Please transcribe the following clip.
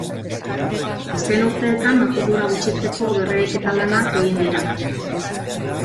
Azken urteetan, makurdura gutxitzeko berreraiketa lanak egin dira.